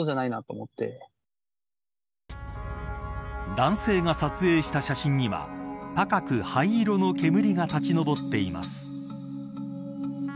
男性が撮影した写真には高く灰色の煙が立ち上っています。